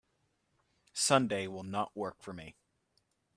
Sunday will not work for me.